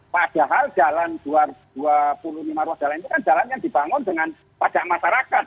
padahal jalan dua puluh lima ruas jalan itu kan jalan yang dibangun dengan pajak masyarakat